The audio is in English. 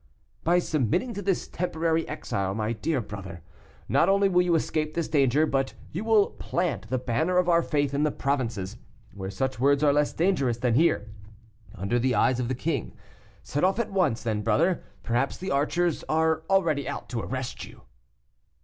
"By submitting to this temporary exile, my dear brother, not only will you escape this danger, but you will plant the banner of our faith in the provinces, where such words are less dangerous than here, under the eyes of the king. Set off at once, then, brother; perhaps the archers are already out to arrest you."